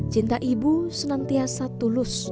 cinta ibu senantiasa tulus